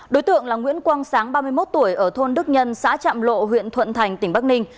đối tượng là nguyễn quang sáng ba mươi một tuổi ở thôn đức nhân xã trạm lộ huyện thuận thành tỉnh bắc ninh